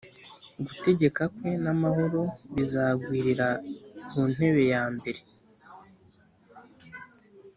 Gutegeka kwe n amahoro bizagwirira ku ntebe yambere